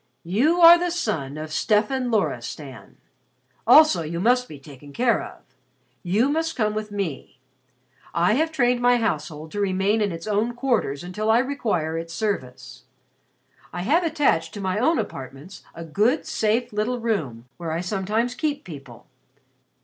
"You are the son of Stefan Loristan. Also you must be taken care of. You must come with me. I have trained my household to remain in its own quarters until I require its service. I have attached to my own apartments a good safe little room where I sometimes keep people.